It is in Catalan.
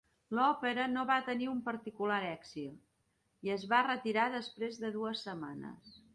L'òpera no va tenir un particular èxit, i es va retirar després de dues setmanes.